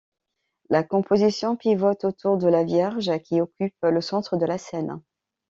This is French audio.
La composition pivote autour de la Vierge, qui occupe le centre de la scène.